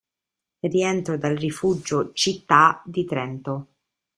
Rientro dal Rifugio Città di Trento.